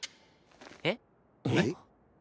へっ？えっ？